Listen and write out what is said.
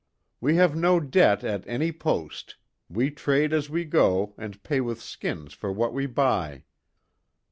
We have no debt at any post, we trade as we go and pay with skins for what we buy."